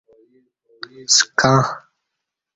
سکں